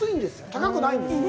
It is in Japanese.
高くないんですよ。